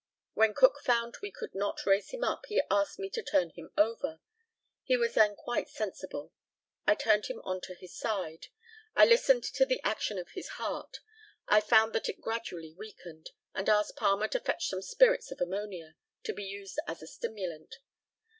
When Cook found we could not raise him up, he asked me to turn him over. He was then quite sensible. I turned him on to his side. I listened to the action of his heart. I found that it gradually weakened, and asked Palmer to fetch some spirits of ammonia, to be used as a stimulant.